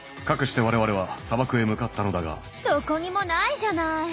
かくして我々は砂漠へ向かったのだがどこにもないじゃない。